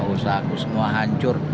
usaha saya semua hancur